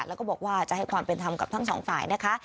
แล้วก็บอกว่าจะให้ความเป็นธรรมกับทั้งสองฝ่ายนะคะ